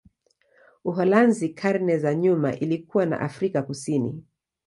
Uholanzi karne za nyuma ilikuwa na Afrika Kusini.